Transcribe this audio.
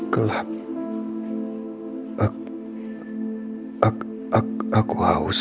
gelap aku haus